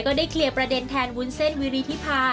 ก็ได้เคลียร์ประเด็นแทนวุ้นเส้นวิริธิพา